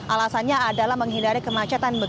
alasannya adalah menghindari kemacetan